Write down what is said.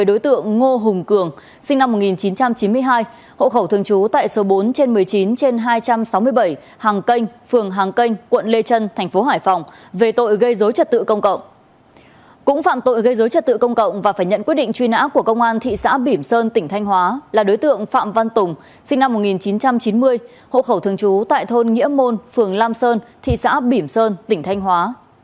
đối tượng phạm văn tùng sinh năm một nghìn chín trăm chín mươi hộ khẩu thường trú tại thôn nghĩa môn phường lam sơn thị xã bỉm sơn tỉnh thanh hóa